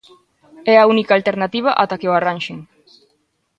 É a única alternativa ata que o arranxen.